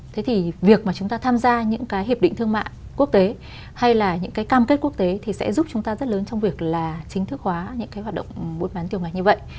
thế thì việc mà chúng ta tham gia những cái hiệp định thương mại quốc tế hay là những cái cam kết quốc tế thì sẽ giúp chúng ta rất lớn trong việc là chính thức hóa những cái hoạt động buôn bán tiêu ngạch như vậy